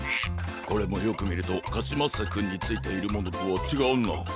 これもよくみるとカシマッセくんについているものとはちがうな。